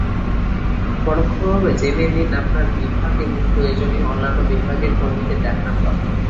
পরোক্ষভাবে জেনে নিন আপনার বিভাগ এবং প্রয়োজনীয় অন্যান্য বিভাগের কর্মীদের ডাকনামটাও।